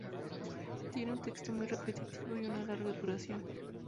Tiene un texto muy repetitivo y una larga duración.